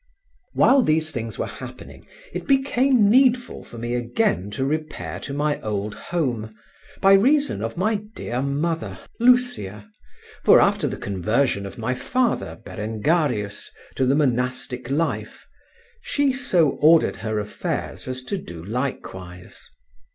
While these things were happening, it became needful for me again to repair to my old home, by reason of my dear mother, Lucia, for after the conversion of my father, Berengarius, to the monastic life, she so ordered her affairs as to do likewise.